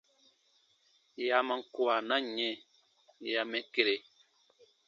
Yè a man kua, na yɛ̃ yè ya mɛ kere.